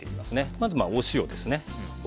まずお塩ですね。